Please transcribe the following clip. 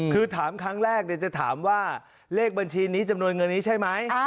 คือถามครั้งแรกจะถามว่าเลขบัญชีนี้จำนวนเงินนี้ใช่ไหม